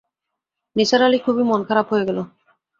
নিসার আলির খুবই মন-খারাপ হয়ে গেল।